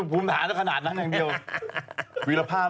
โอลี่คัมรี่ยากที่ใครจะตามทันโอลี่คัมรี่ยากที่ใครจะตามทัน